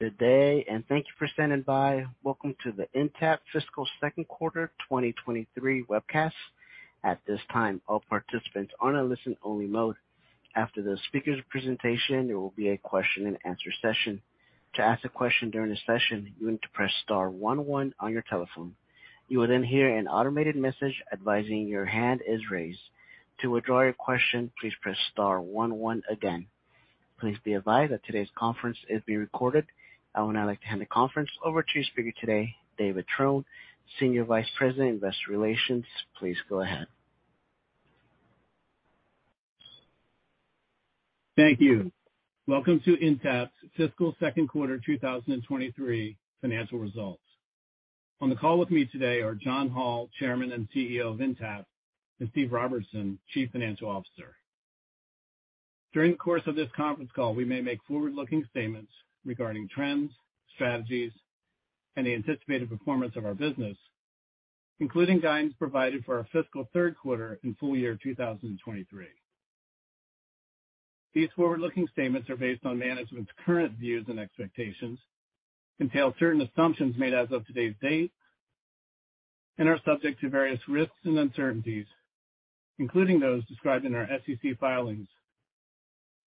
Good day, thank you for standing by. Welcome to the Intapp fiscal second quarter 2023 webcast. At this time, all participants are in a listen-only mode. After the speaker's presentation, there will be a question-and-answer session. To ask a question during the session, you need to press star one one on your telephone. You will hear an automated message advising your hand is raised. To withdraw your question, please press star one one again. Please be advised that today's conference is being recorded. I would now like to hand the conference over to your speaker today, David Trone, Senior Vice President, Investor Relations. Please go ahead. Thank you. Welcome to Intapp's fiscal second quarter 2023 financial results. On the call with me today are John Hall, Chairman and CEO of Intapp, and Steve Robertson, Chief Financial Officer. During the course of this conference call, we may make forward-looking statements regarding trends, strategies, and the anticipated performance of our business, including guidance provided for our fiscal third quarter and full year 2023. These forward-looking statements are based on management's current views and expectations, entail certain assumptions made as of today's date, and are subject to various risks and uncertainties, including those described in our SEC filings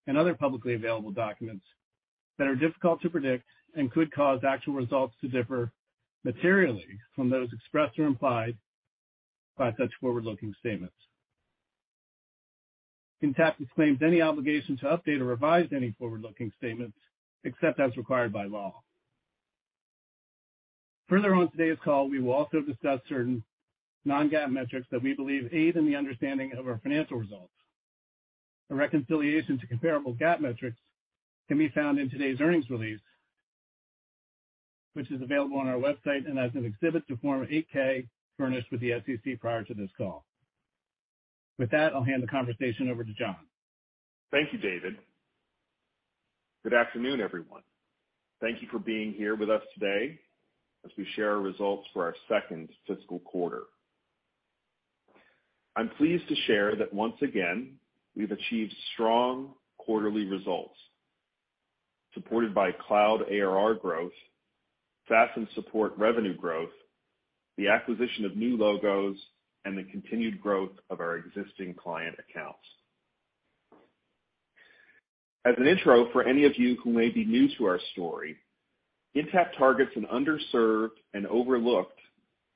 and other publicly available documents that are difficult to predict and could cause actual results to differ materially from those expressed or implied by such forward-looking statements. Intapp disclaims any obligation to update or revise any forward-looking statements except as required by law. Further on today's call, we will also discuss certain non-GAAP metrics that we believe aid in the understanding of our financial results. A reconciliation to comparable GAAP metrics can be found in today's earnings release, which is available on our website and as an exhibit to Form 8-K furnished with the SEC prior to this call. With that, I'll hand the conversation over to John. Thank you, David. Good afternoon, everyone. Thank you for being here with us today as we share our results for our second fiscal quarter. I'm pleased to share that once again, we've achieved strong quarterly results, supported by Cloud ARR growth, SaaS and support revenue growth, the acquisition of new logos, and the continued growth of our existing client accounts. As an intro for any of you who may be new to our story, Intapp targets an underserved and overlooked,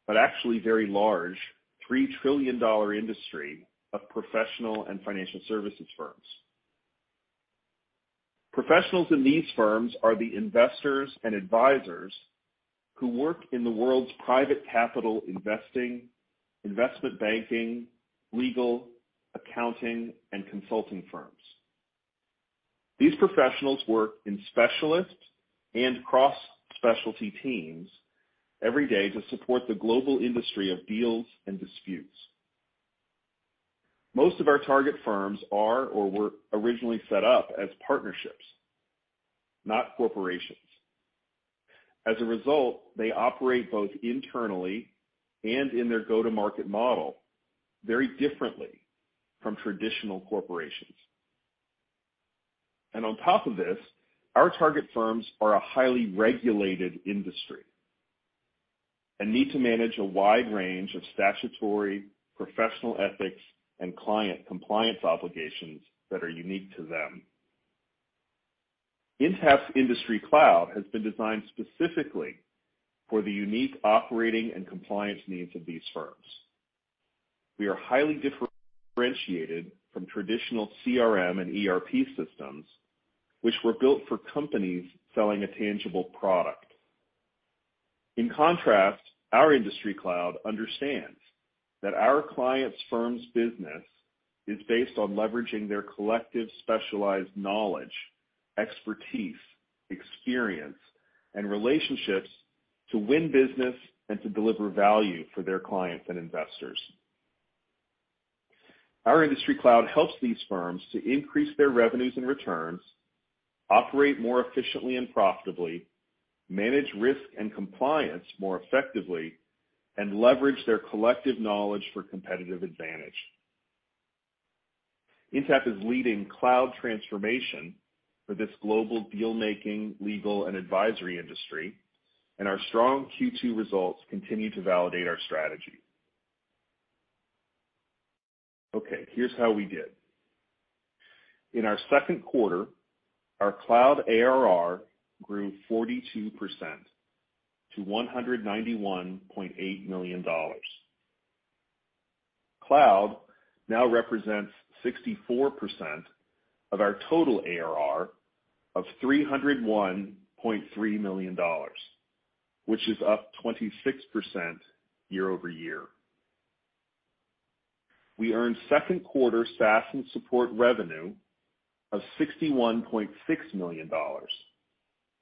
but actually very large, $3 trillion industry of professional and financial services firms. Professionals in these firms are the investors and advisors who work in the world's private capital investing, investment banking, legal, accounting, and consulting firms. These professionals work in specialist and cross-specialty teams every day to support the global industry of deals and disputes. Most of our target firms are or were originally set up as partnerships, not corporations. As a result, they operate both internally and in their go-to-market model very differently from traditional corporations. On top of this, our target firms are a highly regulated industry and need to manage a wide range of statutory, professional ethics, and client compliance obligations that are unique to them. Intapp's industry cloud has been designed specifically for the unique operating and compliance needs of these firms. We are highly differentiated from traditional CRM and ERP systems, which were built for companies selling a tangible product. In contrast, our industry cloud understands that our clients' firms' business is based on leveraging their collective specialized knowledge, expertise, experience, and relationships to win business and to deliver value for their clients and investors. Our industry cloud helps these firms to increase their revenues and returns, operate more efficiently and profitably, manage risk and compliance more effectively, and leverage their collective knowledge for competitive advantage. Intapp is leading cloud transformation for this global deal-making, legal, and advisory industry, and our strong Q2 results continue to validate our strategy. Here's how we did. In our second quarter, our Cloud ARR grew 42% to $191.8 million. Cloud now represents 64% of our total ARR of $301.3 million, which is up 26% year-over-year. We earned second quarter SaaS and support revenue of $61.6 million,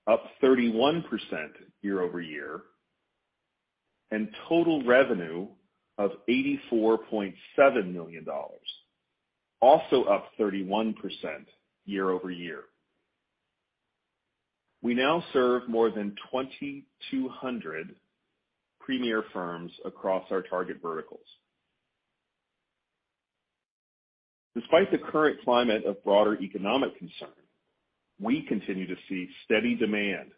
up 31% year-over-year, and total revenue of $84.7 million, also up 31% year-over-year. We now serve more than 2,200 premier firms across our target verticals. Despite the current climate of broader economic concern, we continue to see steady demand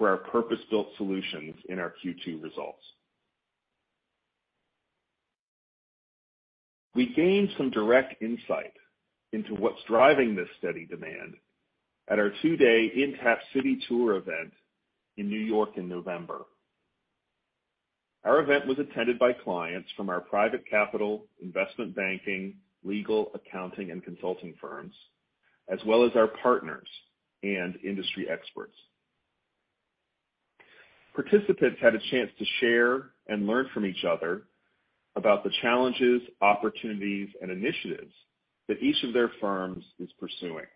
for our purpose-built solutions in our Q2 results. We gained some direct insight into what's driving this steady demand at our two day Intapp City Tour event in New York in November. Our event was attended by clients from our private capital, investment banking, legal, accounting, and consulting firms, as well as our partners and industry experts. Participants had a chance to share and learn from each other about the challenges, opportunities, and initiatives that each of their firms is pursuing.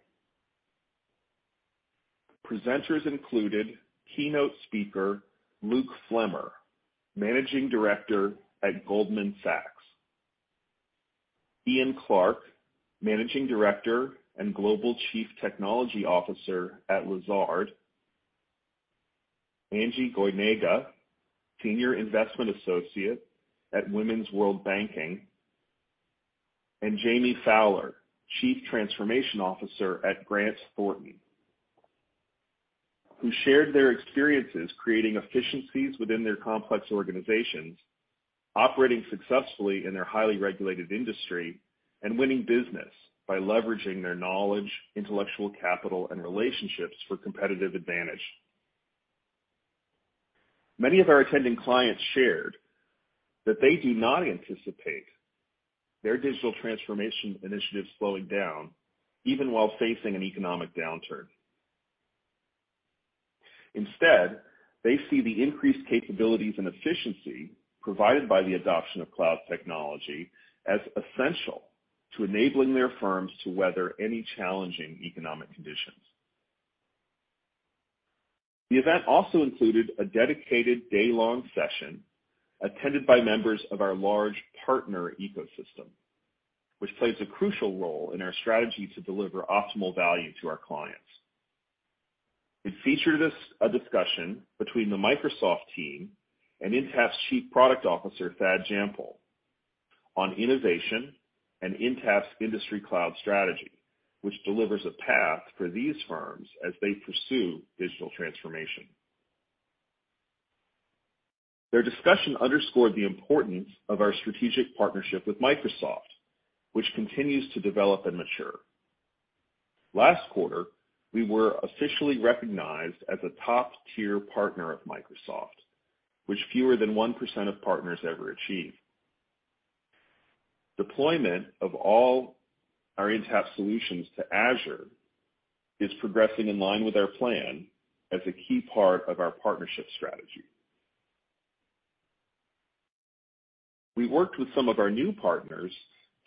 Presenters included keynote speaker Luke Flemmer, Managing Director at Goldman Sachs, Ian Clark, Managing Director and Global Chief Technology Officer at Lazard, Angie Goyenechea, Senior Investment Associate at Women's World Banking, and Jamie Fowler, Chief Transformation Officer at Grant Thornton, who shared their experiences creating efficiencies within their complex organizations, operating successfully in their highly regulated industry, and winning business by leveraging their knowledge, intellectual capital, and relationships for competitive advantage. Many of our attending clients shared that they do not anticipate their digital transformation initiatives slowing down even while facing an economic downturn. Instead, they see the increased capabilities and efficiency provided by the adoption of cloud technology as essential to enabling their firms to weather any challenging economic conditions. The event also included a dedicated day-long session attended by members of our large partner ecosystem, which plays a crucial role in our strategy to deliver optimal value to our clients. It featured a discussion between the Microsoft team and Intapp's Chief Product Officer, Thad Jampol, on innovation and Intapp's industry cloud strategy, which delivers a path for these firms as they pursue digital transformation. Their discussion underscored the importance of our strategic partnership with Microsoft, which continues to develop and mature. Last quarter, we were officially recognized as a top-tier partner of Microsoft, which fewer than 1% of partners ever achieve. Deployment of all our Intapp solutions to Azure is progressing in line with our plan as a key part of our partnership strategy. We worked with some of our new partners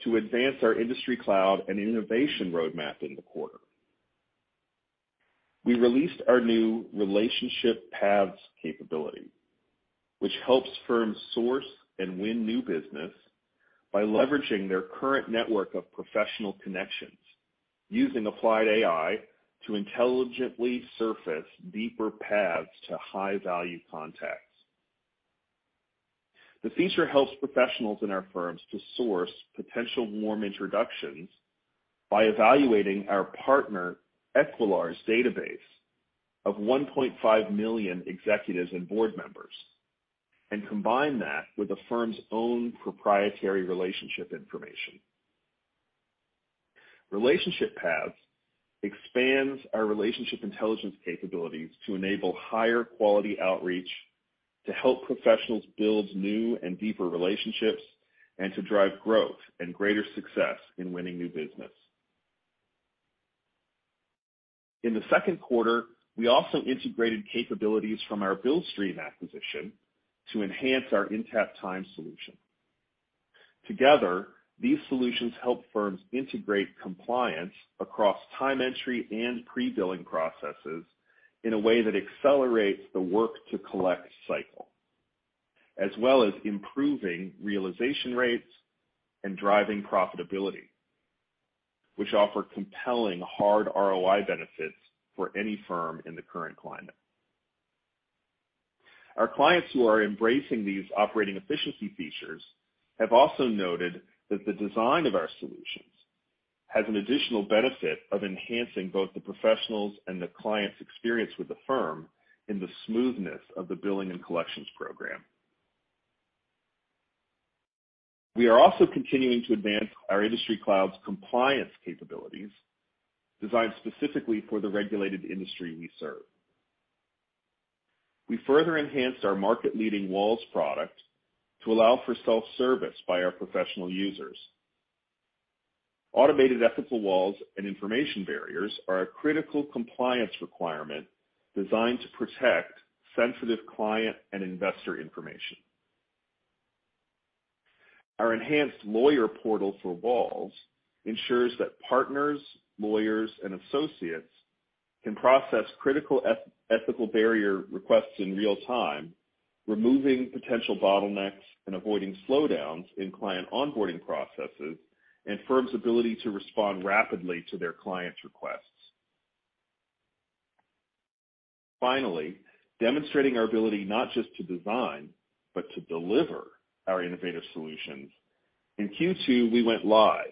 to advance our industry cloud and innovation roadmap in the quarter. We released our new Relationship Paths capability, which helps firms source and win new business by leveraging their current network of professional connections using applied AI to intelligently surface deeper paths to high-value contacts. The feature helps professionals in our firms to source potential warm introductions by evaluating our partner Equilar's database of 1.5 million executives and board members and combine that with the firm's own proprietary relationship information. Relationship Paths expands our relationship intelligence capabilities to enable higher quality outreach to help professionals build new and deeper relationships, and to drive growth and greater success in winning new business. In the second quarter, we also integrated capabilities from our Billstream acquisition to enhance our Intapp Time solution. Together, these solutions help firms integrate compliance across time entry and prebilling processes in a way that accelerates the work to collect cycle, as well as improving realization rates and driving profitability, which offer compelling hard ROI benefits for any firm in the current climate. Our clients who are embracing these operating efficiency features have also noted that the design of our solutions has an additional benefit of enhancing both the professionals and the clients' experience with the firm in the smoothness of the billing and collections program. We are also continuing to advance our industry cloud's compliance capabilities designed specifically for the regulated industry we serve. We further enhanced our market-leading Walls product to allow for self-service by our professional users. Automated ethical walls and information barriers are a critical compliance requirement designed to protect sensitive client and investor information. Our enhanced lawyer portal for Walls ensures that partners, lawyers, and associates can process critical ethical barrier requests in real time, removing potential bottlenecks and avoiding slowdowns in client onboarding processes and firms' ability to respond rapidly to their clients' requests. Demonstrating our ability not just to design, but to deliver our innovative solutions. In Q2, we went live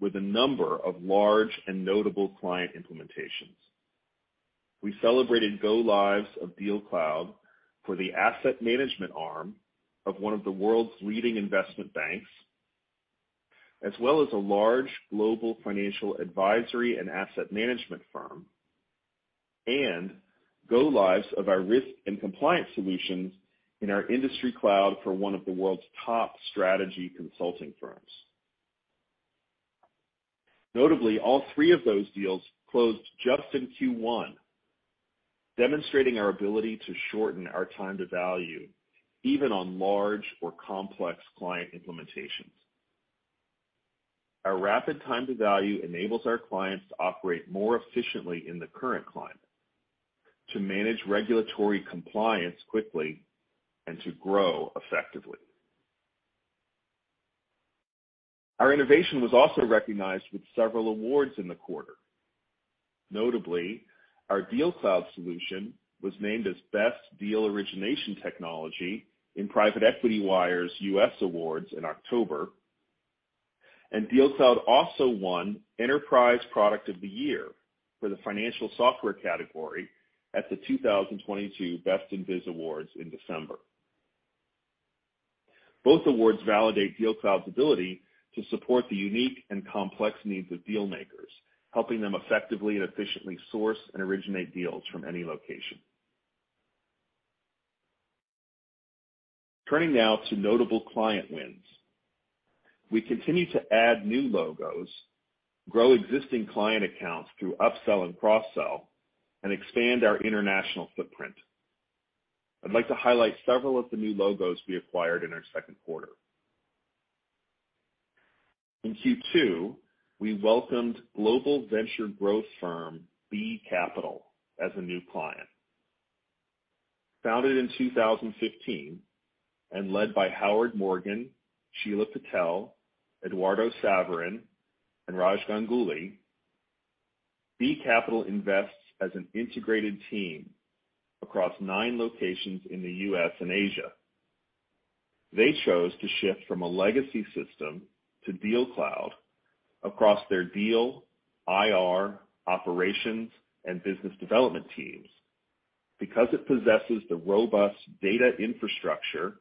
with a number of large and notable client implementations. We celebrated go-lives of DealCloud for the asset management arm of one of the world's leading investment banks, as well as a large global financial advisory and asset management firm, and go-lives of our risk and compliance solutions in our industry cloud for one of the world's top strategy consulting firms. Notably, all three of those deals closed just in Q1, demonstrating our ability to shorten our time to value, even on large or complex client implementations. Our rapid time to value enables our clients to operate more efficiently in the current climate, to manage regulatory compliance quickly, and to grow effectively. Our innovation was also recognized with several awards in the quarter. Notably, our DealCloud solution was named as Best Deal Origination Technology in Private Equity Wire's US Awards in October, and DealCloud also won Enterprise Product of the Year for the financial software category at the 2022 Best in Biz Awards in December. Both awards validate DealCloud's ability to support the unique and complex needs of deal makers, helping them effectively and efficiently source and originate deals from any location. Turning now to notable client wins. We continue to add new logos, grow existing client accounts through upsell and cross-sell, and expand our international footprint. I'd like to highlight several of the new logos we acquired in our second quarter. In Q2, we welcomed global venture growth firm B Capital as a new client. Founded in 2015 and led by Howard Morgan, Sheila Patel, Eduardo Saverin, and Raj Ganguly, B Capital invests as an integrated team across 9 locations in the U.S. and Asia. They chose to shift from a legacy system to DealCloud across their deal, IR, operations, and business development teams because it possesses the robust data infrastructure,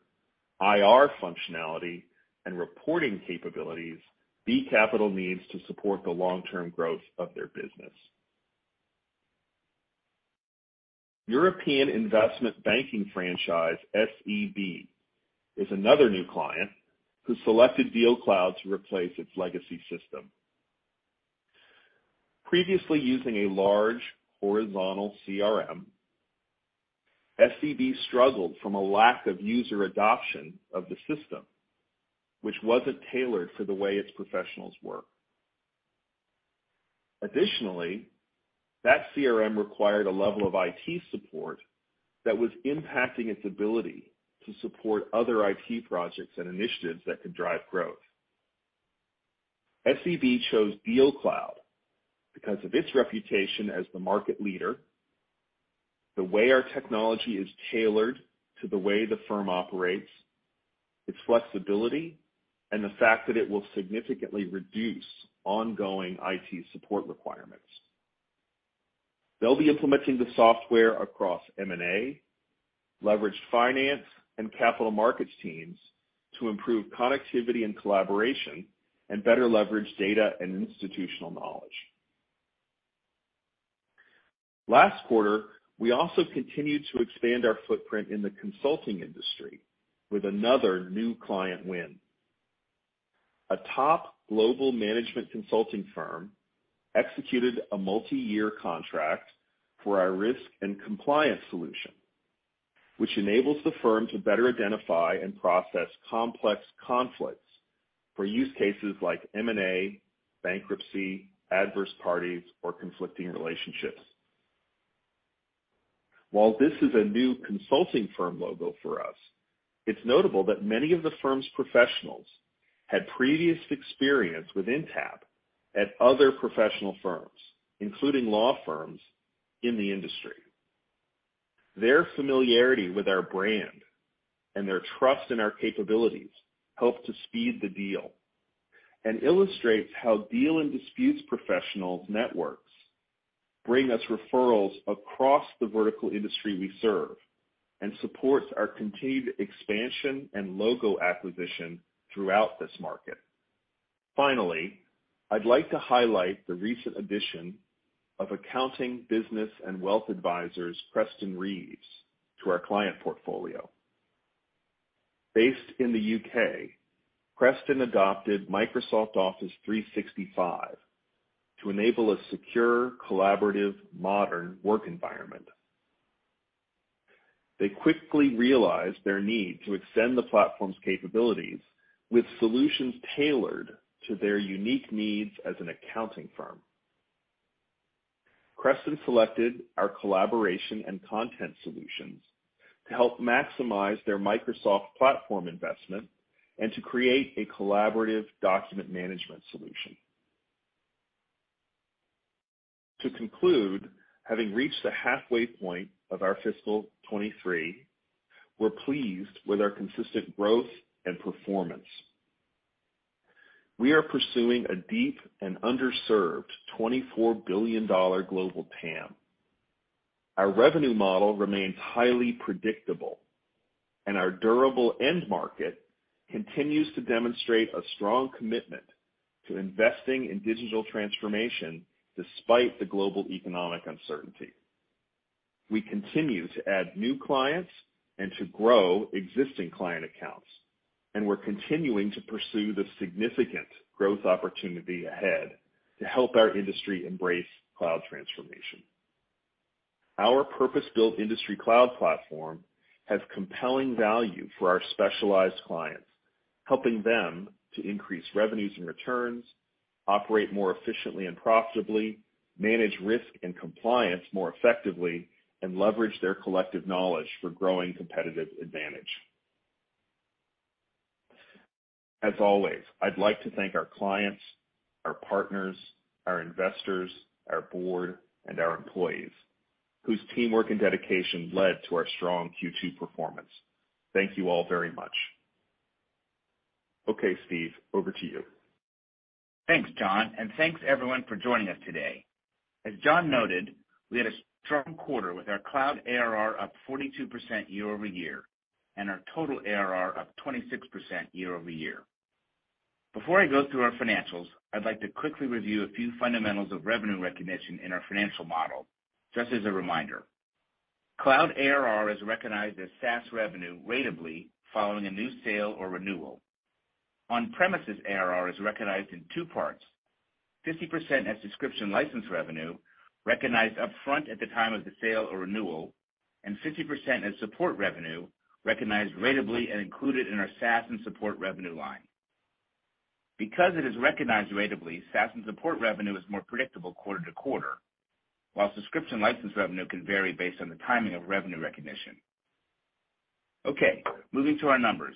IR functionality, and reporting capabilities B Capital needs to support the long-term growth of their business. European investment banking franchise SEB is another new client who selected DealCloud to replace its legacy system. Previously using a large horizontal CRM, SEB struggled from a lack of user adoption of the system, which wasn't tailored for the way its professionals work. Additionally, that CRM required a level of IT support that was impacting its ability to support other IT projects and initiatives that could drive growth. SEB chose DealCloud because of its reputation as the market leader, the way our technology is tailored to the way the firm operates, its flexibility, and the fact that it will significantly reduce ongoing IT support requirements. They'll be implementing the software across M&A, leveraged finance, and capital markets teams to improve connectivity and collaboration and better leverage data and institutional knowledge. Last quarter, we also continued to expand our footprint in the consulting industry with another new client win. A top global management consulting firm executed a multiyear contract for our risk and compliance solution, which enables the firm to better identify and process complex conflicts for use cases like M&A, bankruptcy, adverse parties, or conflicting relationships. While this is a new consulting firm logo for us, it's notable that many of the firm's professionals had previous experience with Intapp at other professional firms, including law firms in the industry. Their familiarity with our brand and their trust in our capabilities helped to speed the deal and illustrates how deal and disputes professionals networks bring us referrals across the vertical industry we serve and supports our continued expansion and logo acquisition throughout this market. Finally, I'd like to highlight the recent addition of accounting, business, and wealth advisors Kreston Reeves to our client portfolio. Based in the UK, Kreston adopted Microsoft Office 365 to enable a secure, collaborative, modern work environment. They quickly realized their need to extend the platform's capabilities with solutions tailored to their unique needs as an accounting firm. Kreston selected our collaboration and content solutions to help maximize their Microsoft platform investment and to create a collaborative document management solution. To conclude, having reached the halfway point of our fiscal 2023, we're pleased with our consistent growth and performance. We are pursuing a deep and underserved $24 billion global TAM. Our revenue model remains highly predictable, our durable end market continues to demonstrate a strong commitment to investing in digital transformation despite the global economic uncertainty. We continue to add new clients and to grow existing client accounts, we're continuing to pursue the significant growth opportunity ahead to help our industry embrace cloud transformation. Our purpose-built industry cloud platform has compelling value for our specialized clients, helping them to increase revenues and returns, operate more efficiently and profitably, manage risk and compliance more effectively, and leverage their collective knowledge for growing competitive advantage. As always, I'd like to thank our clients, our partners, our investors, our board, and our employees, whose teamwork and dedication led to our strong Q2 performance. Thank you all very much. Okay, Steve, over to you. Thanks, John, and thanks everyone for joining us today. As John noted, we had a strong quarter with our Cloud ARR up 42% year-over-year, and our total ARR up 26% year-over-year. Before I go through our financials, I'd like to quickly review a few fundamentals of revenue recognition in our financial model, just as a reminder. Cloud ARR is recognized as SaaS revenue ratably following a new sale or renewal. On-premises ARR is recognized in two parts: 50% as subscription license revenue, recognized upfront at the time of the sale or renewal, and 50% as support revenue, recognized ratably and included in our SaaS and support revenue line. Because it is recognized ratably, SaaS and support revenue is more predictable quarter-to-quarter, while subscription license revenue can vary based on the timing of revenue recognition. Okay, moving to our numbers.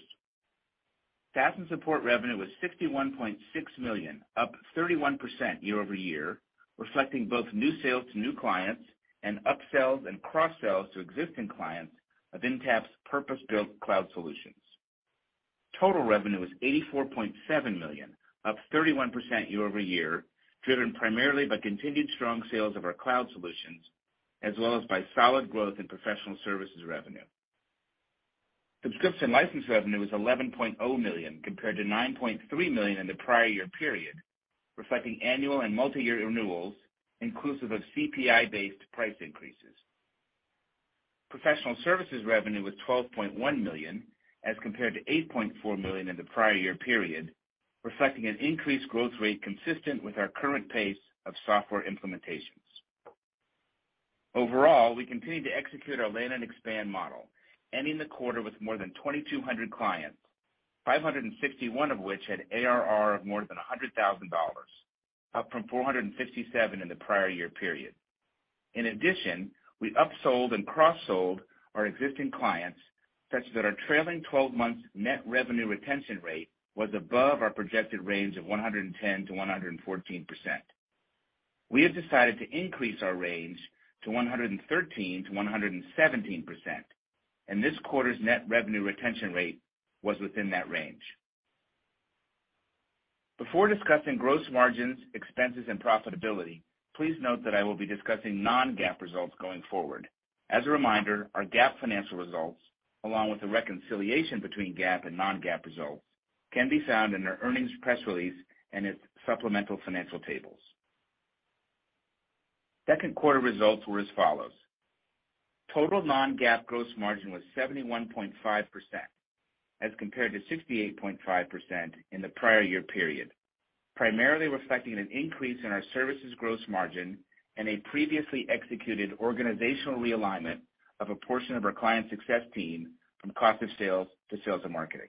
SaaS and support revenue was $61.6 million, up 31% year-over-year, reflecting both new sales to new clients and upsells and cross-sells to existing clients of Intapp's purpose-built cloud solutions. Total revenue was $84.7 million, up 31% year-over-year, driven primarily by continued strong sales of our cloud solutions, as well as by solid growth in professional services revenue. Subscription license revenue was $11.0 million compared to $9.3 million in the prior year period, reflecting annual and multi-year renewals inclusive of CPI-based price increases. Professional services revenue was $12.1 million as compared to $8.4 million in the prior year period, reflecting an increased growth rate consistent with our current pace of software implementations. Overall, we continue to execute our land and expand model, ending the quarter with more than 2,200 clients, 561 of which had ARR of more than $100,000, up from 457 in the prior-year period. We upsold and cross-sold our existing clients such that our trailing 12 months net revenue retention rate was above our projected range of 110%-114%. We have decided to increase our range to 113%-117%. This quarter's net revenue retention rate was within that range. Before discussing gross margins, expenses, and profitability, please note that I will be discussing non-GAAP results going forward. As a reminder, our GAAP financial results, along with the reconciliation between GAAP and non-GAAP results, can be found in our earnings press release and its supplemental financial tables. Second quarter results were as follows. Total non-GAAP gross margin was 71.5% as compared to 68.5% in the prior year period, primarily reflecting an increase in our services gross margin and a previously executed organizational realignment of a portion of our client success team from cost of sales to sales and marketing.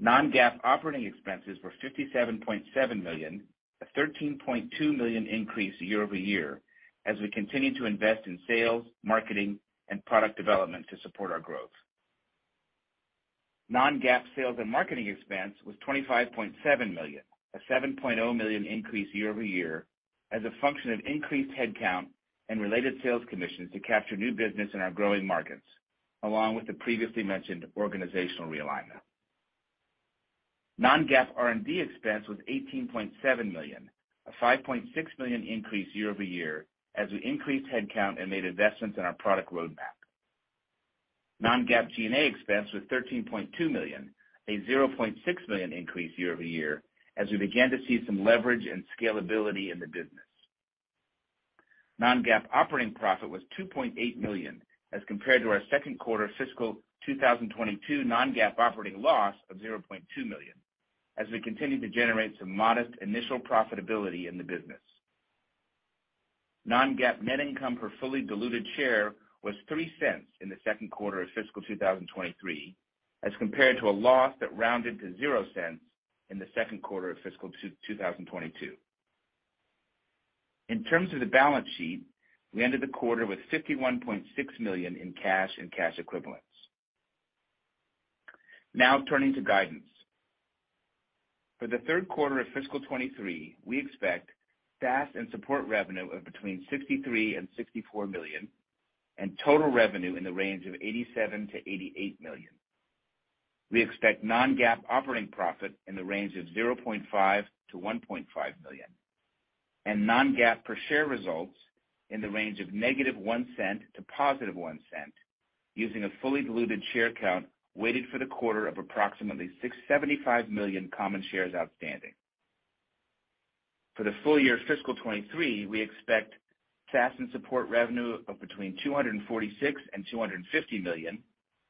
Non-GAAP operating expenses were $57.7 million, a $13.2 million increase year-over-year as we continue to invest in sales, marketing, and product development to support our growth. Non-GAAP sales and marketing expense was $25.7 million, a $7.0 million increase year-over-year as a function of increased headcount and related sales commissions to capture new business in our growing markets, along with the previously mentioned organizational realignment. Non-GAAP R&D expense was $18.7 million, a $5.6 million increase year-over-year as we increased headcount and made investments in our product roadmap. Non-GAAP G&A expense was $13.2 million, a $0.6 million increase year-over-year as we began to see some leverage and scalability in the business. Non-GAAP operating profit was $2.8 million as compared to our second quarter fiscal 2022 non-GAAP operating loss of $0.2 million as we continue to generate some modest initial profitability in the business. Non-GAAP net income per fully diluted share was $0.03 in the second quarter of fiscal 2023 as compared to a loss that rounded to $0.00 in the second quarter of fiscal 2022. In terms of the balance sheet, we ended the quarter with $51.6 million in cash and cash equivalents. Now turning to guidance. For the third quarter of fiscal '23, we expect SaaS and support revenue of between $63 million and $64 million, and total revenue in the range of $87 million-$88 million. We expect non-GAAP operating profit in the range of $0.5 million-$1.5 million, and non-GAAP per share results in the range of -$0.01 to +$0.01, using a fully diluted share count weighted for the quarter of approximately 75 million common shares outstanding. For the full year fiscal 2023, we expect SaaS and support revenue of between $246 million and $250 million,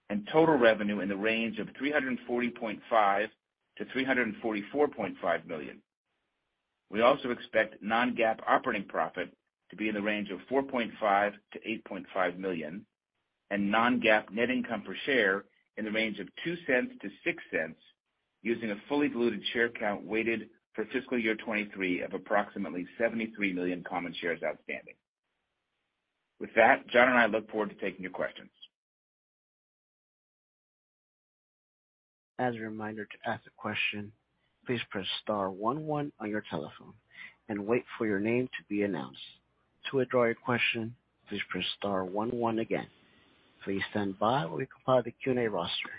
and total revenue in the range of $340.5 million-$344.5 million. We also expect non-GAAP operating profit to be in the range of $4.5 million-$8.5 million, and non-GAAP net income per share in the range of $0.02-$0.06, using a fully diluted share count weighted for fiscal year 2023 of approximately 73 million common shares outstanding. With that, John and I look forward to taking your questions. As a reminder, to ask a question, please press star 1 1 on your telephone and wait for your name to be announced. To withdraw your question, please press star one one again. Please stand by while we compile the Q&A roster.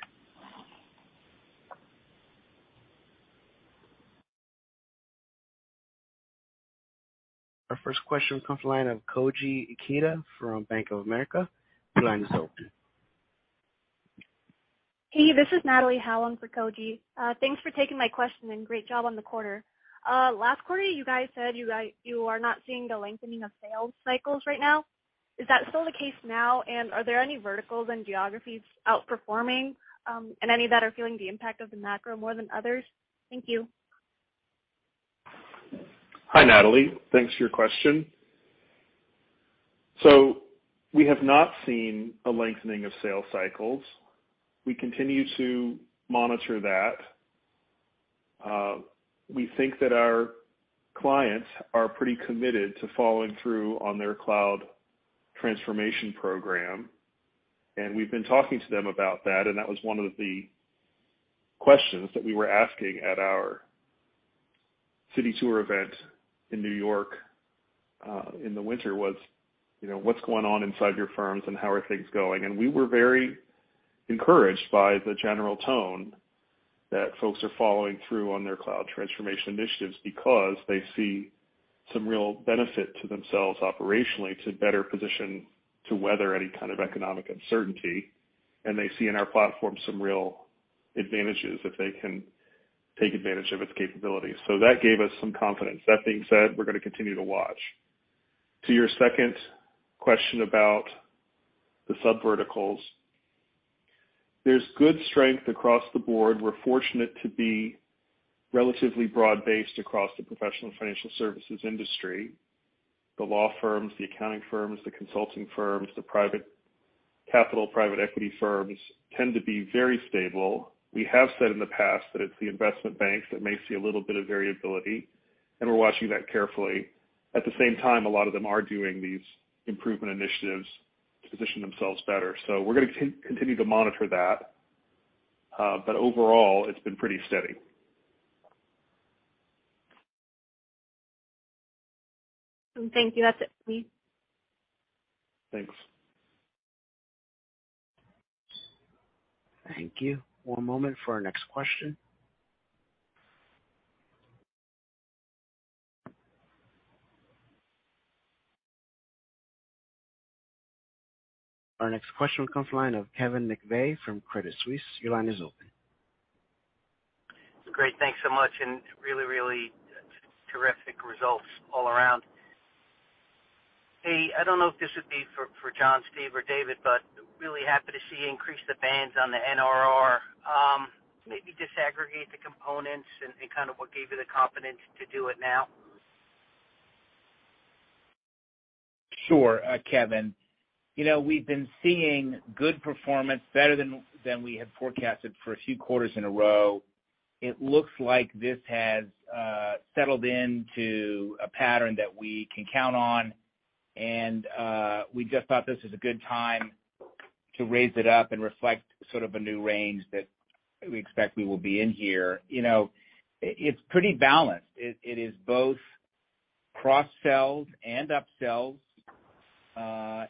Our first question comes the line of Koji Ikeda from Bank of America. Your line is open. Hey, this is Natalie Howe for Koji. Thanks for taking my question and great job on the quarter. Last quarter, you guys said you are not seeing the lengthening of sales cycles right now. Is that still the case now? Are there any verticals and geographies outperforming, and any that are feeling the impact of the macro more than others? Thank you. Hi, Natalie. Thanks for your question. We have not seen a lengthening of sales cycles. We continue to monitor that. We think that our clients are pretty committed to following through on their cloud transformation program, and we've been talking to them about that, and that was one of the questions that we were asking at our City Tour event in New York in the winter was, you know, what's going on inside your firms and how are things going? We were very encouraged by the general tone that folks are following through on their cloud transformation initiatives because they see some real benefit to themselves operationally to better position to weather any kind of economic uncertainty. They see in our platform some real advantages if they can take advantage of its capabilities. That gave us some confidence. That being said, we're gonna continue to watch. To your second question about the subverticals. There's good strength across the board. We're fortunate to be relatively broad-based across the professional financial services industry. The law firms, the accounting firms, the consulting firms, the private capital, private equity firms tend to be very stable. We have said in the past that it's the investment banks that may see a little bit of variability, and we're watching that carefully. At the same time, a lot of them are doing these improvement initiatives to position themselves better. We're gonna continue to monitor that. Overall, it's been pretty steady. Thank you. That's it. Please. Thanks. Thank you. One moment for our next question. Our next question comes line of Kevin McVeigh from Credit Suisse. Your line is open. Great. Thanks so much, and really terrific results all around. Hey, I don't know if this would be for John, Steve, or David, but really happy to see you increase the bands on the NRR. Maybe disaggregate the components and kind of what gave you the confidence to do it now. Sure, Kevin. You know, we've been seeing good performance better than we had forecasted for a few quarters in a row. It looks like this has settled into a pattern that we can count on, and we just thought this is a good time to raise it up and reflect sort of a new range that we expect we will be in here. You know, it's pretty balanced. It is both cross-sells and upsells,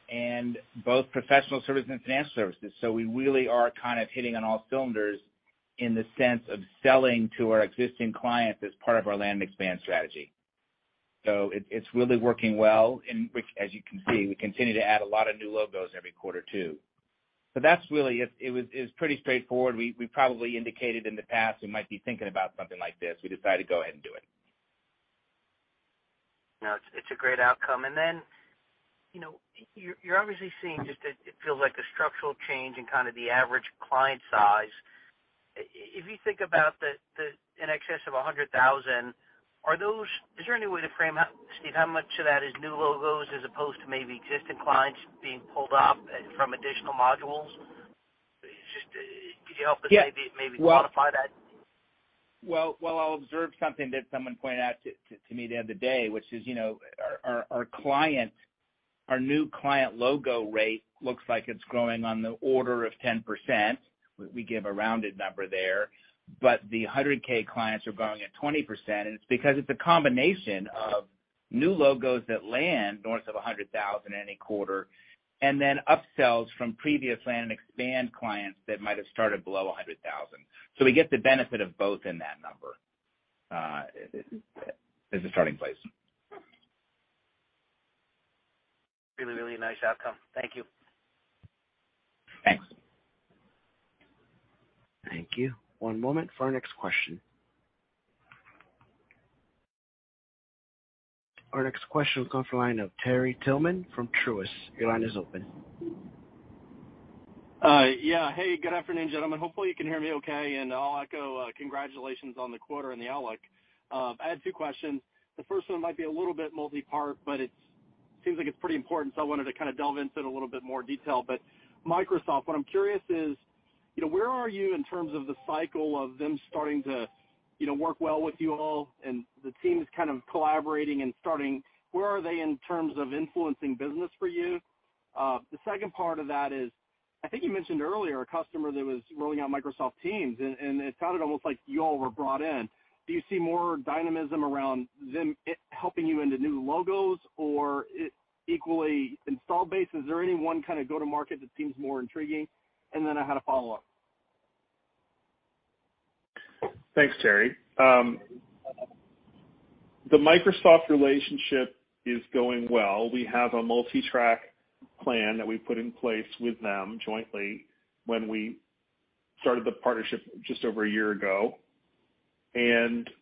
and both professional services and financial services. We really are kind of hitting on all cylinders in the sense of selling to our existing clients as part of our land expand strategy. It's really working well, and which as you can see, we continue to add a lot of new logos every quarter too. That's really it. It's pretty straightforward. We probably indicated in the past we might be thinking about something like this. We decided to go ahead and do it. No, it's a great outcome. You know, you're obviously seeing just it feels like a structural change in kind of the average client size. If you think about the in excess of $100,000, is there any way to frame out, Steve, how much of that is new logos as opposed to maybe existing clients being pulled up from additional modules? Just, could you help us maybe. Yeah. -maybe quantify that? Well, I'll observe something that someone pointed out to me the other day, which is, you know, our new client logo rate looks like it's growing on the order of 10%. We give a rounded number there. The 100K clients are growing at 20%, and it's because it's a combination of new logos that land north of $100,000 any quarter, and then upsells from previous land and expand clients that might have started below $100,000. We get the benefit of both in that number as a starting place. Really, really nice outcome. Thank you. Thanks. Thank you. One moment for our next question. Our next question will come from the line of Terry Tillman from Truist. Your line is open. Yeah. Hey, good afternoon, gentlemen. Hopefully you can hear me okay, and I'll echo congratulations on the quarter and the outlook. I had two questions. The first one might be a little bit multi-part, but it seems like it's pretty important, so I wanted to kind of delve into it in a little bit more detail. Microsoft, what I'm curious is, you know, where are you in terms of the cycle of them starting to, you know, work well with you all and the teams kind of collaborating and starting? Where are they in terms of influencing business for you? The second part of that is, I think you mentioned earlier a customer that was rolling out Microsoft Teams, and it sounded almost like you all were brought in. Do you see more dynamism around them helping you into new logos or equally install base? Is there any one kind of go-to-market that seems more intriguing? I had a follow-up. Thanks, Terry. The Microsoft relationship is going well. We have a multi-track plan that we put in place with them jointly when we started the partnership just over a year ago.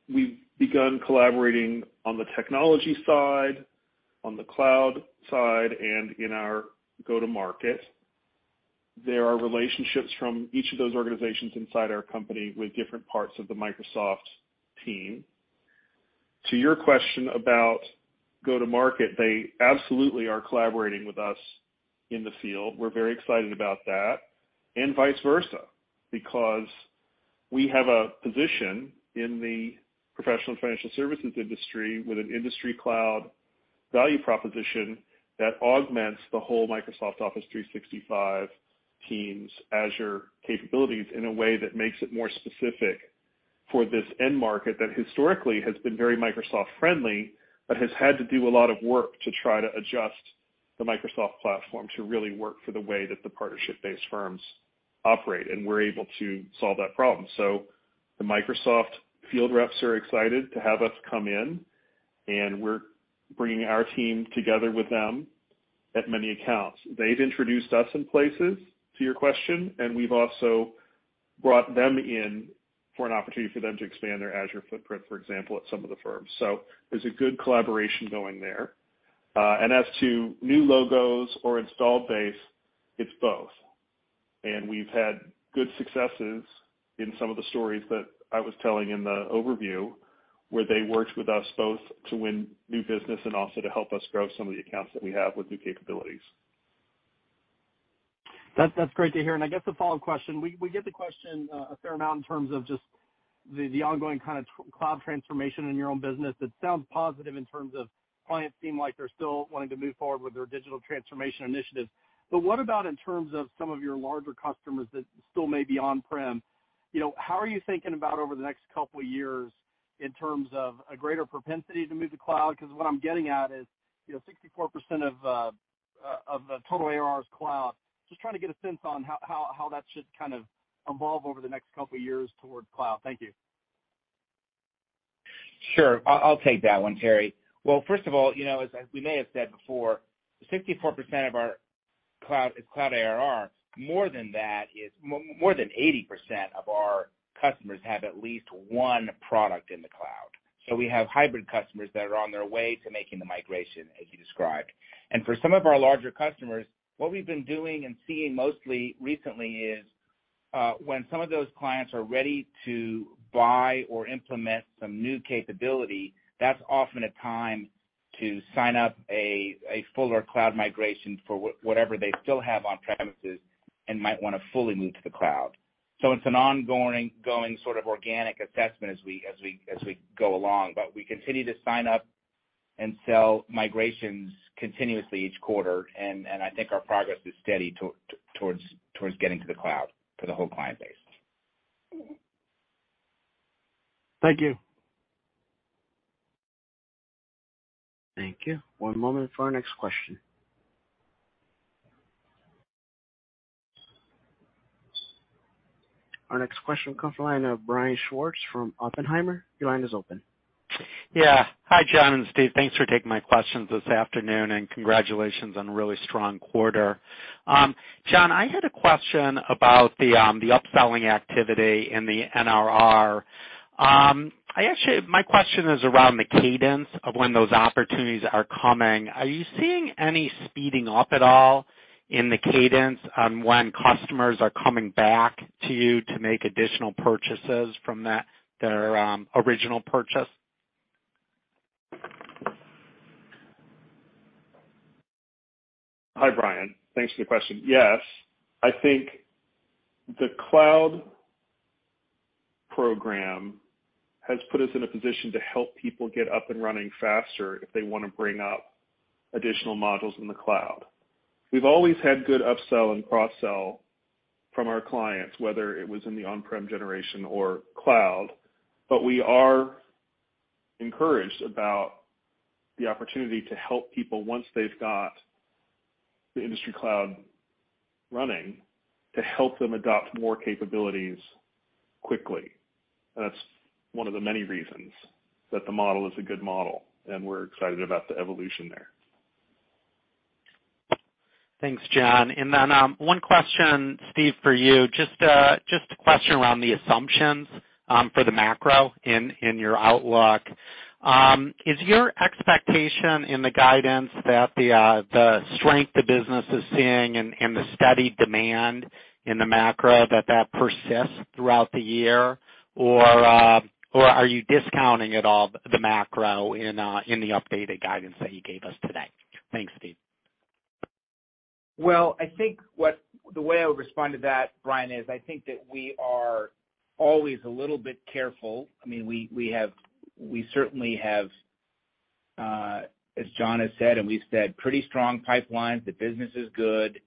We've begun collaborating on the technology side, on the cloud side, and in our go-to-market. There are relationships from each of those organizations inside our company with different parts of the Microsoft team. To your question about go-to-market, they absolutely are collaborating with us in the field. We're very excited about that and vice versa, because we have a position in the professional and financial services industry with an industry cloud value proposition that augments the whole Microsoft 365 Teams Azure capabilities in a way that makes it more specific for this end market that historically has been very Microsoft friendly, but has had to do a lot of work to try to adjust the Microsoft platform to really work for the way that the partnership-based firms operate. We're able to solve that problem. The Microsoft field reps are excited to have us come in, and we're bringing our team together with them at many accounts. They've introduced us in places, to your question, and we've also brought them in for an opportunity for them to expand their Azure footprint, for example, at some of the firms. There's a good collaboration going there. As to new logos or installed base, it's both. We've had good successes in some of the stories that I was telling in the overview, where they worked with us both to win new business and also to help us grow some of the accounts that we have with new capabilities. That's great to hear. I guess the follow-up question, we get the question a fair amount in terms of just the ongoing kind of cloud transformation in your own business. That sounds positive in terms of clients seem like they're still wanting to move forward with their digital transformation initiatives. What about in terms of some of your larger customers that still may be on-prem? You know, how are you thinking about over the next couple of years in terms of a greater propensity to move to cloud? What I'm getting at is, you know, 64% of the total ARR is cloud. Just trying to get a sense on how that should kind of evolve over the next couple of years towards cloud. Thank you. Sure. I'll take that one, Terry. Well, first of all, you know, as we may have said before, 64% of our cloud is Cloud ARR. More than that is more than 80% of our customers have at least one product in the cloud. We have hybrid customers that are on their way to making the migration, as you described. For some of our larger customers, what we've been doing and seeing mostly recently is when some of those clients are ready to buy or implement some new capability, that's often a time to sign up a fuller cloud migration for whatever they still have on premises and might wanna fully move to the cloud. It's an ongoing sort of organic assessment as we go along. We continue to sign up and sell migrations continuously each quarter. I think our progress is steady towards getting to the cloud for the whole client base. Thank you. Thank you. One moment for our next question. Our next question comes from the line of Brian Schwartz from Oppenheimer. Your line is open. Yeah. Hi, John and Steve. Thanks for taking my questions this afternoon. Congratulations on a really strong quarter. John, I had a question about the upselling activity in the NRR. I actually, my question is around the cadence of when those opportunities are coming. Are you seeing any speeding up at all in the cadence on when customers are coming back to you to make additional purchases from that, their original purchase? Hi, Brian. Thanks for the question. Yes. I think the cloud program has put us in a position to help people get up and running faster if they wanna bring up additional modules in the cloud. We've always had good upsell and cross-sell from our clients, whether it was in the on-prem generation or cloud. We are encouraged about the opportunity to help people once they've got the industry cloud running, to help them adopt more capabilities quickly. That's one of the many reasons that the model is a good model, and we're excited about the evolution there. Thanks, John. One question, Steve, for you. Just a question around the assumptions for the macro in your outlook. Is your expectation in the guidance that the strength the business is seeing and the steady demand in the macro that persists throughout the year? Or are you discounting at all the macro in the updated guidance that you gave us today? Thanks, Steve. Well, I think the way I would respond to that, Brian, is I think that we are always a little bit careful. I mean, we have, we certainly have, as John has said and we've said, pretty strong pipelines. The business is good.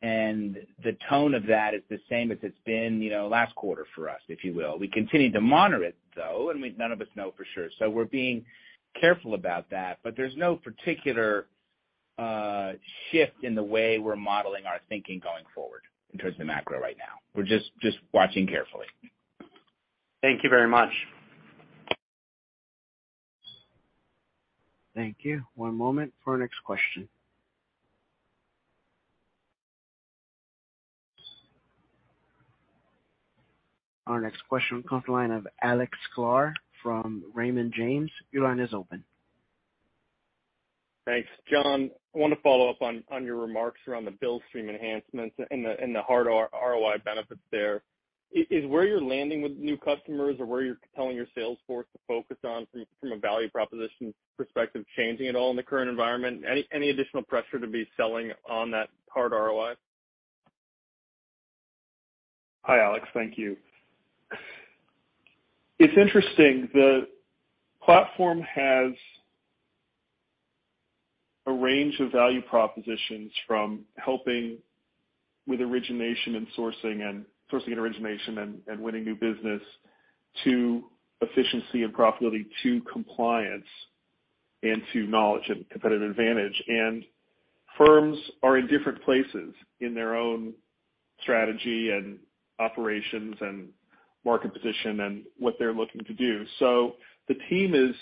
The tone of that is the same as it's been, you know, last quarter for us, if you will. We continue to monitor it, though, and none of us know for sure. We're being careful about that. There's no particular shift in the way we're modeling our thinking going forward in terms of macro right now. We're just watching carefully. Thank you very much. Thank you. One moment for our next question. Our next question comes the line of Alex Sklar from Raymond James. Your line is open. Thanks. John, I wanna follow up on your remarks around the Billstream enhancements and the hard ROI benefits there. Is where you're landing with new customers or where you're telling your sales force to focus on from a value proposition perspective, changing at all in the current environment? Any additional pressure to be selling on that hard ROI? Hi, Alex. Thank you. It's interesting. The platform has a range of value propositions from helping with origination and sourcing and sourcing and origination and winning new business to efficiency and profitability to compliance and to knowledge and competitive advantage. Firms are in different places in their own strategy and operations and market position and what they're looking to do. The team is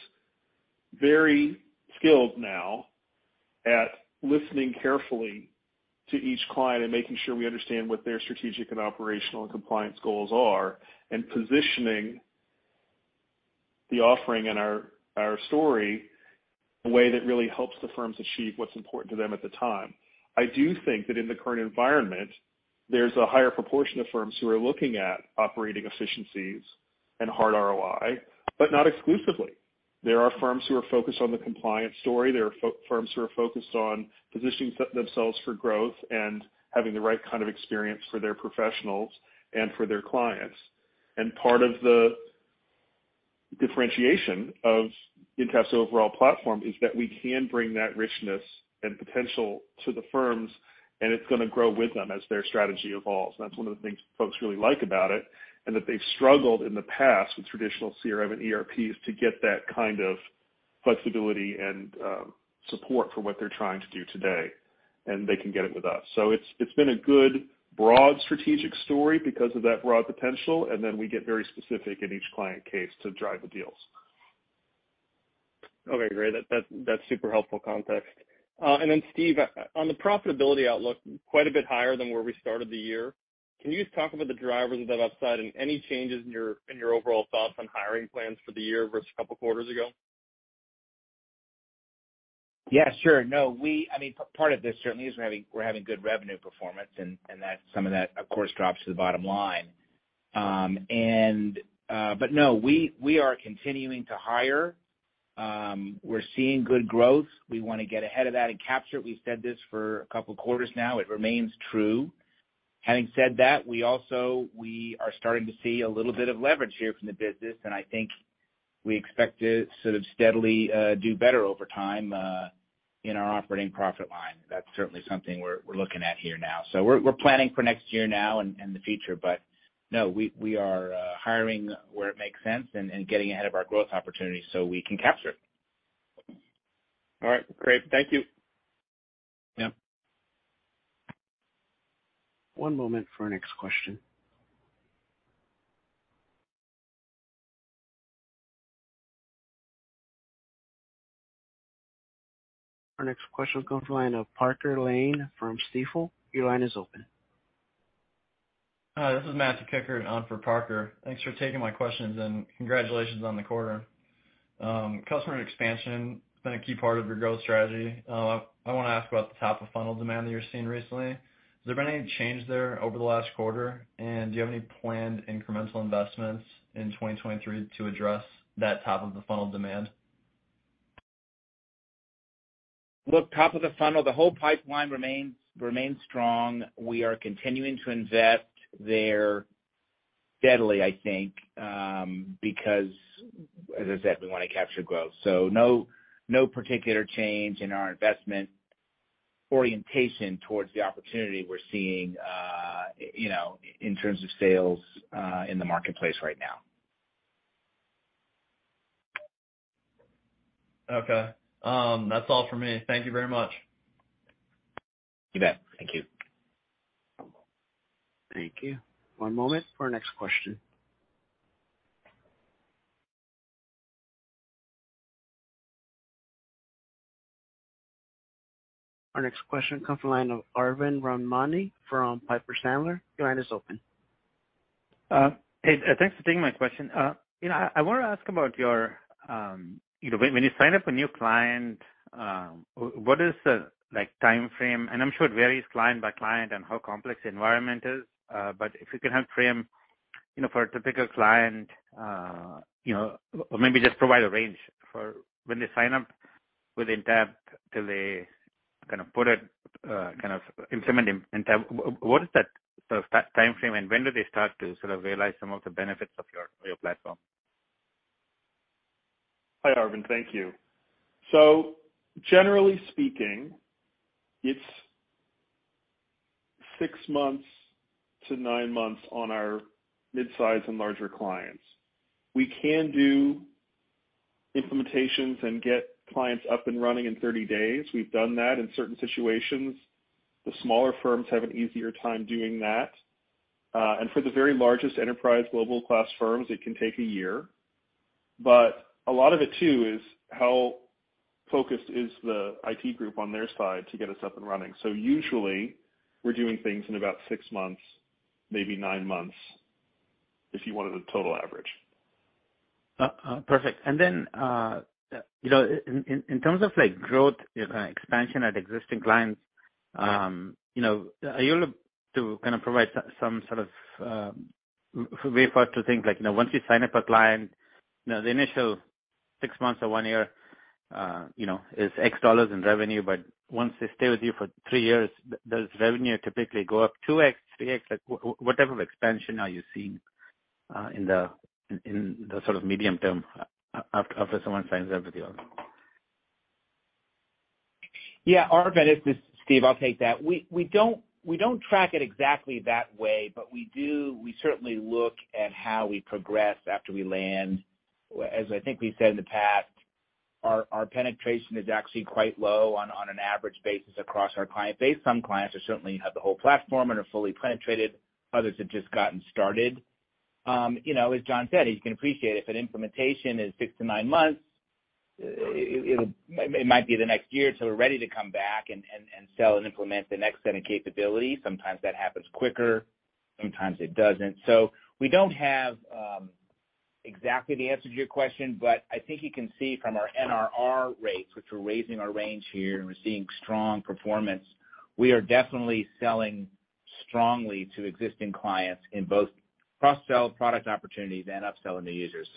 very skilled now at listening carefully to each client and making sure we understand what their strategic and operational and compliance goals are, and positioning the offering and our story in a way that really helps the firms achieve what's important to them at the time. I do think that in the current environment, there's a higher proportion of firms who are looking at operating efficiencies and hard ROI, but not exclusively. There are firms who are focused on the compliance story. There are firms who are focused on positioning themselves for growth and having the right kind of experience for their professionals and for their clients. Part of the differentiation of Intapp's overall platform is that we can bring that richness and potential to the firms, and it's gonna grow with them as their strategy evolves. That's one of the things folks really like about it, and that they've struggled in the past with traditional CRM and ERPs to get that kind of flexibility and support for what they're trying to do today, and they can get it with us. It's been a good broad strategic story because of that broad potential, and then we get very specific in each client case to drive the deals. Okay, great. That's super helpful context. Then Steve, on the profitability outlook quite a bit higher than where we started the year. Can you just talk about the drivers of that upside and any changes in your, in your overall thoughts on hiring plans for the year versus a couple quarters ago? Yeah, sure. No, I mean, part of this certainly is we're having good revenue performance, and that's some of that, of course, drops to the bottom line. No, we are continuing to hire. We're seeing good growth. We wanna get ahead of that and capture it. We've said this for a couple quarters now. It remains true. Having said that, we also are starting to see a little bit of leverage here from the business, and I think we expect to sort of steadily do better over time in our operating profit line. That's certainly something we're looking at here now. We're planning for next year now and the future. No, we are hiring where it makes sense and getting ahead of our growth opportunities so we can capture it. All right, great. Thank you. Yeah. One moment for our next question. Our next question comes the line of Parker Lane from Stifel. Your line is open. Hi, this is Matthew Kikkert on for Parker. Thanks for taking my questions, and congratulations on the quarter. Customer expansion has been a key part of your growth strategy. I wanna ask about the top of funnel demand that you're seeing recently. Has there been any change there over the last quarter, and do you have any planned incremental investments in 2023 to address that top of the funnel demand? Look, top of the funnel, the whole pipeline remains strong. We are continuing to invest there steadily, I think, because as I said, we wanna capture growth. No particular change in our investment orientation towards the opportunity we're seeing, you know, in terms of sales in the marketplace right now. Okay. That's all for me. Thank you very much. You bet. Thank you. Thank you. One moment for our next question. Our next question comes the line of Aravind Ramani from Piper Sandler. Your line is open. Hey, thanks for taking my question. You know, I wanna ask about your, you know, when you sign up a new client, what is the, like, timeframe? I'm sure it varies client by client and how complex the environment is. If you can help frame, you know, for a typical client, you know, or maybe just provide a range for when they sign up with Intapp till they kind of put it, kind of implement Intapp. What is that sort of timeframe, and when do they start to sort of realize some of the benefits of your platform? Hi, Arvind. Thank you. Generally speaking, it's six months to nine months on our midsize and larger clients. We can do implementations and get clients up and running in 30 days. We've done that in certain situations. The smaller firms have an easier time doing that. For the very largest enterprise global class firms, it can take one year. A lot of it too is how focused is the IT group on their side to get us up and running. Usually we're doing things in about six months, maybe nine months, if you wanted a total average. Perfect. You know, in terms of, like, growth, expansion at existing clients, you know, are you able to kind of provide some sort of way for us to think, like, you know, once you sign up a client, you know, the initial 6 months or 1 year is X dollars in revenue, but once they stay with you for 3 years, does revenue typically go up 2x, 3x? Like, what type of expansion are you seeing in the sort of medium term after someone signs up with you? Aravind, this is Steve. I'll take that. We don't track it exactly that way, but we certainly look at how we progress after we land. As I think we said in the past, our penetration is actually quite low on an average basis across our client base. Some clients certainly have the whole platform and are fully penetrated, others have just gotten started. You know, as John said, you can appreciate if an implementation is six-nine months, it might be the next year till we're ready to come back and sell and implement the next set of capabilities. Sometimes that happens quicker, sometimes it doesn't. We don't have exactly the answer to your question, but I think you can see from our NRR rates, which we're raising our range here and we're seeing strong performance. We are definitely selling strongly to existing clients in both cross-sell product opportunities and upselling new users.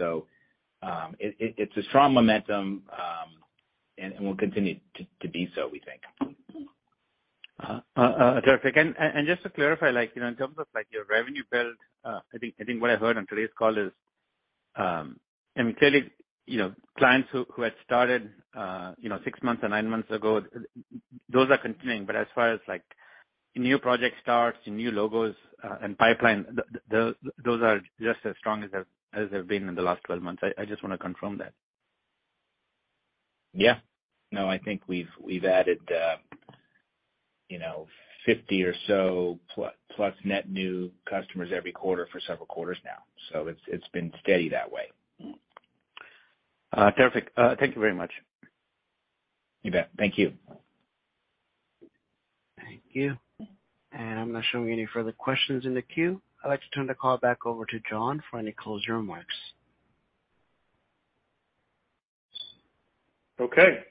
It's a strong momentum and will continue to be so, we think. Terrific. Just to clarify, like, you know, in terms of, like, your revenue build, I think what I heard on today's call is, I mean, clearly, you know, clients who had started, you know, 6 months or 9 months ago, those are continuing. As far as, like, new project starts, new logos, and pipeline, those are just as strong as they're, as they've been in the last 12 months. I just wanna confirm that. Yeah. No, I think we've added, you know, 50 or so plus net new customers every quarter for several quarters now. It's been steady that way. Terrific. Thank you very much. You bet. Thank you. Thank you. I'm not showing any further questions in the queue. I'd like to turn the call back over to John for any closing remarks. Okay.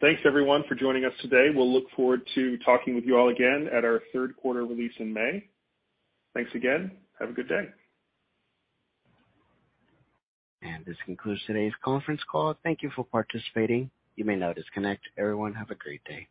Thanks, everyone, for joining us today. We'll look forward to talking with you all again at our third quarter release in May. Thanks again. Have a good day. This concludes today's conference call. Thank you for participating. You may now disconnect. Everyone, have a great day.